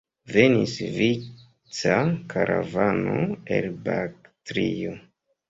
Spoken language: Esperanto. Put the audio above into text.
Venis vica karavano el Baktrio.